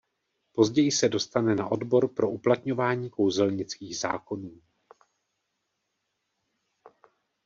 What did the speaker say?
Později se dostane na odbor pro uplatňování kouzelnických zákonů.